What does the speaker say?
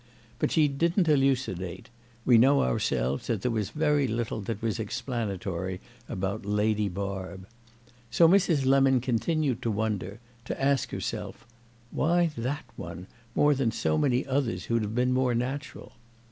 But she didn't elucidate; we know ourselves that there was very little that was explanatory about Lady Barb. So Mrs. Lemon continued to wonder, to ask herself, "Why that one, more than so many others who'd have been more natural?"